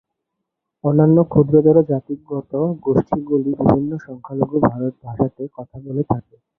অন্যান্য ক্ষুদ্রতর জাতিগত গোষ্ঠীগুলি বিভিন্ন সংখ্যালঘু ভাষাতে কথা বলে থাকে।